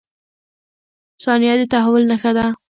• ثانیه د تحول نښه ده.